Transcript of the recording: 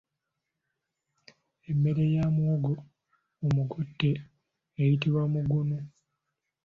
Emmere ya muwogo omugotte eyitibwa mugunu.